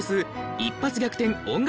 一発逆転音楽